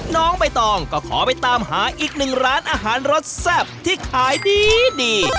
น้องใบตองก็ขอไปตามหาอีกหนึ่งร้านอาหารรสแซ่บที่ขายดี